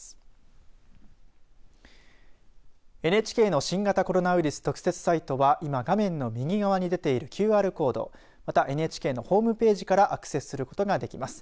ＮＨＫの新型コロナウイルス特設サイトは今、画面の右側に出ているＱＲコードまた、ＮＨＫのホームページからアクセスすることができます。